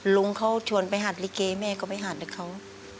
ลุงเขาชวนไปหัดลิเกแม่ก็ไปหัดให้เขา